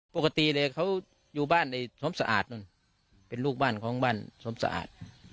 ปกติเลยเขาอยู่บ้านในสมสะอาดนู่นเป็นลูกบ้านของบ้านสมสะอาด